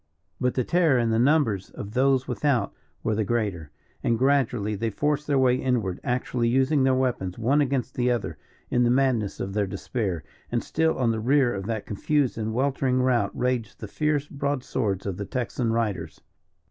But the terror and the numbers of those without were the greater; and gradually they forced their way inward, actually using their weapons, one against the other, in the madness of their despair. And still on the rear of that confused and weltering route raged the fierce broadswords of the Texan riders.